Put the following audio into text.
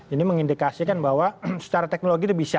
ini mengindikasikan bahwa secara teknologi itu bisa